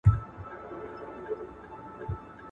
دروازه به د جنت وي راته خلاصه !.